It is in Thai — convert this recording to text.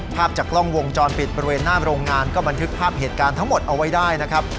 ภาพจากกล้องวงจรปิดบริเวณหน้าโรงงานก็บันทึกภาพเหตุการณ์ทั้งหมดเอาไว้ได้นะครับ